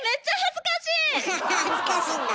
恥ずかしいんだ。